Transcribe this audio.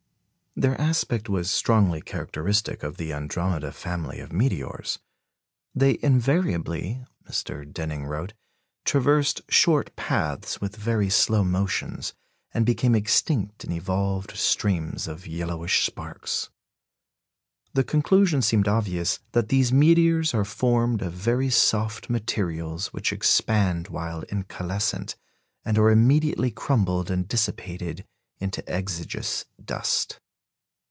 Their aspect was strongly characteristic of the Andromede family of meteors. "They invariably," Mr. Denning wrote, "traversed short paths with very slow motions, and became extinct in evolved streams of yellowish sparks." The conclusion seemed obvious "that these meteors are formed of very soft materials, which expand while incalescent, and are immediately crumbled and dissipated into exiguous dust."